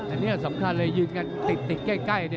อันนี้สำคัญเลยยืนกันติดใกล้